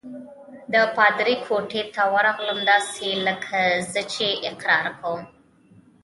د پادري کوټې ته ورغلم، داسې لکه زه چې اقرار کوم.